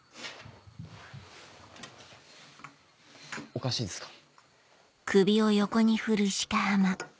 おかしいですか？